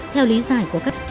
theo lý giải của các